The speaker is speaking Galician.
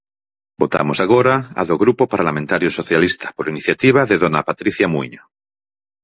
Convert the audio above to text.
Votamos agora a do Grupo Parlamentario Socialista por iniciativa de dona Patricia Muíño.